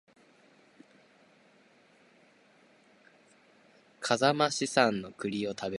笠間市産の栗を食べる